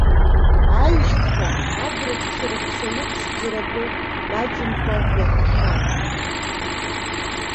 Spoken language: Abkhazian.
Аишьцәа абрагьцәа раҳәшьа лыԥшӡара атәы маҷымкәа иаҳахьан.